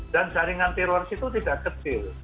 dan jaringan teroris itu tidak kecil